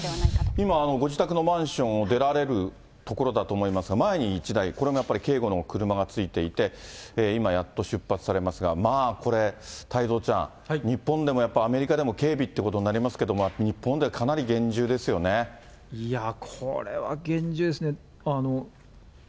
今、ご自宅のマンションを出られるところだと思いますが、前に１台、これもやっぱり警護の車がついていて、今、やっと出発されますが、まあこれ、太蔵ちゃん、日本でもやっぱり、アメリカでも警備ってことになりますけれども、日本ではかなり厳いやー、これは厳重ですね。